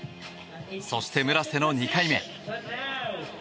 そして、村瀬の２回目。